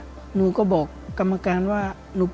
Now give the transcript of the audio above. ก็พูดว่าวันนี้มีคนจะมาวางยานักมัวให้ระวังดีนะครับ